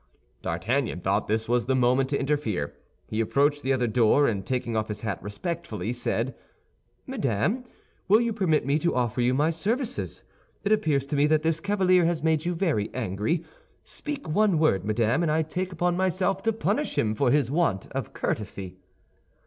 D'Artagnan thought this was the moment to interfere. He approached the other door, and taking off his hat respectfully, said, "Madame, will you permit me to offer you my services? It appears to me that this cavalier has made you very angry. Speak one word, madame, and I take upon myself to punish him for his want of courtesy."